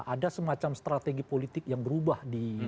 ada semacam strategi politik yang berubah